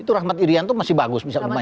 itu rahmat irianto masih bagus